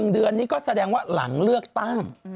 เดือนนี้ก็แสดงว่าหลังเลือกตั้ง